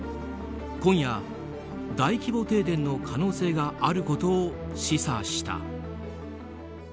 今夜、大規模停電の可能性があることを示唆した。